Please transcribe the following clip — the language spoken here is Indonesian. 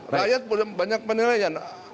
rakyat banyak penilaian